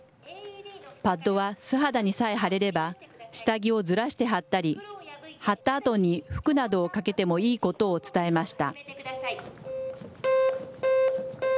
パッドは素肌にさえ貼れれば、下着をずらして貼ったり、貼ったあとに服などをかけてもいいことを伝えました。